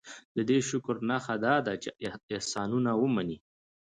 دې شکر نښه دا ده چې احسانونه ومني.